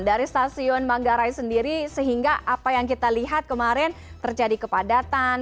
dari stasiun manggarai sendiri sehingga apa yang kita lihat kemarin terjadi kepadatan